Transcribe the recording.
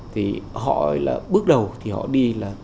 thì họ là bước đầu thì họ đi là